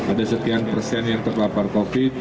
ada sekian persen yang terpapar covid sembilan belas